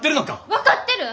分かってる！